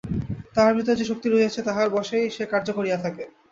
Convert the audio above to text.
তাহার ভিতরে যে শক্তি রহিয়াছে, তাহার বশেই সে কার্য করিয়া থাকে।